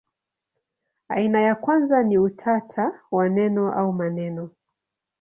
Aina ya kwanza ni utata wa neno au maneno.